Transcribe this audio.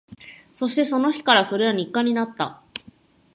そして、その日からそれは日課になった